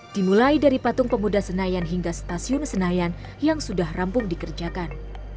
dimulai dari patung pemuda senayan hingga stasiun senayan yang sudah rampung dikerjakan